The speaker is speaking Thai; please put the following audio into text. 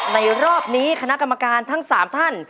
ในรอบนี้คณะกรรมการทั้ง๓ท่าน